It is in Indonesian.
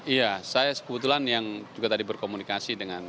iya saya kebetulan yang juga tadi berkomunikasi dengan